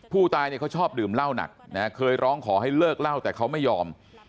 ผู้ตายเนี่ยเขาชอบดื่มเหล้าหนักนะเคยร้องขอให้เลิกเล่าแต่เขาไม่ยอม